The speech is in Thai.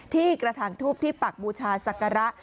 ที่กระถางทูบที่ปักบูชาศักระ